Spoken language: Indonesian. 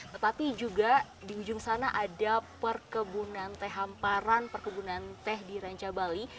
tetapi juga di ujung sana ada perkebunan teh hamparan perkebunan teh di renca bali